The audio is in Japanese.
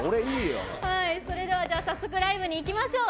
それでは早速ライブにいきましょう。